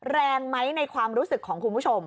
แรงไหมในความรู้สึกของคุณผู้ชม